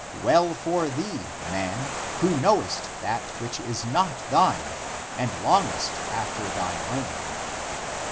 W'ell for thee, man, who knowest that which is not thine and longest after thine own